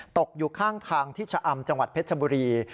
ตกอยู่ข้างทางที่ชะอำจังหวัดเพชรบุรี